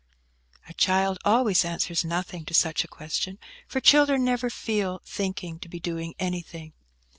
A child always answers "Nothing" to such a question, for children never feel thinking to be doing anything.